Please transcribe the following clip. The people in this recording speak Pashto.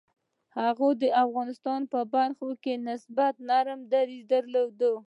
هغه د افغانستان په برخه کې نسبتاً نرم دریځ درلود.